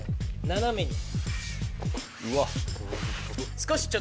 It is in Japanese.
斜めに。